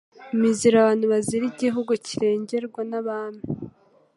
Imiziro abantu bazira Igihugu kirengerwa n'Abami